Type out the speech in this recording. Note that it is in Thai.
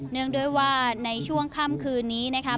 ด้วยว่าในช่วงค่ำคืนนี้นะคะ